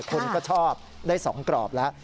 คนก็ชอบได้๒กรอบแล้ว